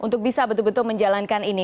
untuk bisa betul betul menjalankan ini